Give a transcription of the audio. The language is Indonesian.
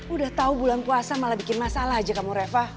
udah tau bulan puasa malah bikin masalah aja kamu reva